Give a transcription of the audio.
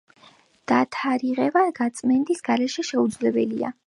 დათარიღება გაწმენდის გარეშე შეუძლებელია.